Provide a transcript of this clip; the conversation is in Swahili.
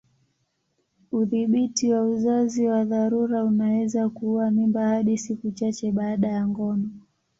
Udhibiti wa uzazi wa dharura unaweza kuua mimba hadi siku chache baada ya ngono.